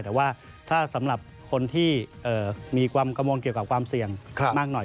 แต่ว่าถ้าสำหรับคนที่มีความกังวลเกี่ยวกับความเสี่ยงมากหน่อย